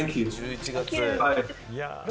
１１月。